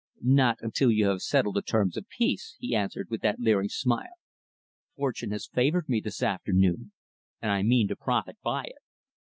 "Not until you have settled the terms of peace," he answered with that leering smile. "Fortune has favored me, this afternoon, and I mean to profit by it."